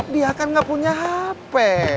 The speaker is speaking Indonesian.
dia kan nggak punya hp